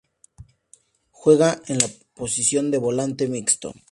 Juega en la posición de volante mixto.